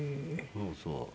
そうそう。